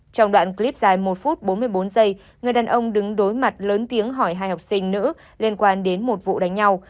trong đoạn clip dài một phút bốn mươi bốn giây người đàn ông đứng đối mặt lớn tiếng hỏi hai học sinh nữ liên quan đến một vụ đánh nhau